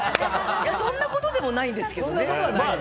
そんなことでもないんですけどね。